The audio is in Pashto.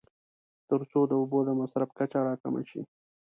تر څو د اوبو د مصرف کچه راکمه شي.